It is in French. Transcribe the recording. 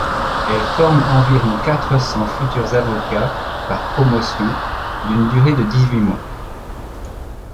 Elle forme environ quatre cents futurs avocats par promotion, d'une durée de dix-huit mois.